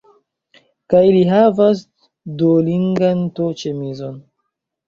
Kaj li havas Duolingan to-ĉemizon